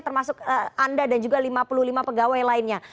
termasuk anda dan juga lima puluh lima pegawai lainnya